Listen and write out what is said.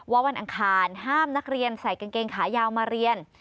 วันอังคารห้ามนักเรียนใส่กางเกงขายาวมาเรียน